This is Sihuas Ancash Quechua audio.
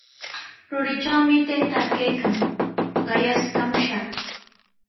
Ruritrawmi taytaa kaykan, qayaskamushaq.